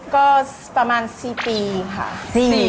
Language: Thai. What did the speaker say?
ก็ประมาณ๔ปีค่ะ